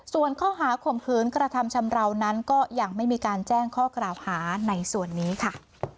ส่วนข้อหาข่มขืนกระทำชำราวนั้นก็ยังไม่มีการแจ้งข้อกล่าวหาในส่วนนี้ค่ะ